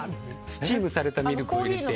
スチームされたミルクを入れて。